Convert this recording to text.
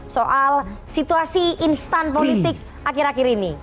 soal situasi instan politik akhir akhir ini